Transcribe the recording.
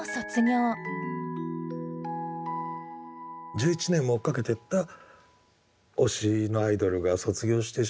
１１年も追っかけてった推しのアイドルが卒業してしまう。